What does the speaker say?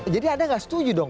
jadi anda gak setuju dong